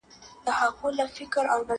زه به سبا ښوونځی ځم؟